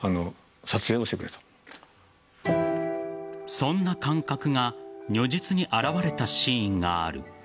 そんな感覚が如実にあらわれたシーンがある。